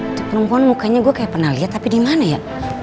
untuk perempuan mukanya gue kayak pernah lihat tapi di mana ya